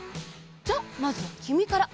じゃあまずはきみから！